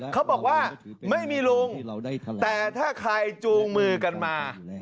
เขาบอกว่าไม่มีลุงแต่ถ้าใครจูงมือกันมา